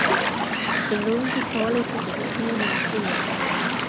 څېړونکی کولی سي د بدیع علم اصول وکاروي.